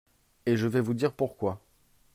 et je vais vous dire pourquoi.